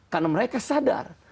karena mereka sadar